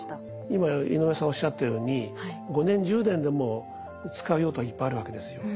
今井上さんおっしゃったように５年１０年でも使う用途はいっぱいあるわけですよ。